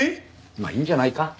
まあいいんじゃないか？